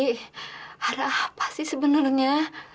wi ada apa sih sebenarnya